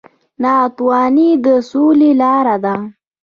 نانواتې د سولې لاره ده